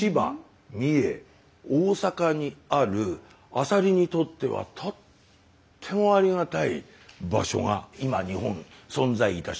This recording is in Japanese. アサリにとってはとってもありがたい場所が今日本に存在いたします。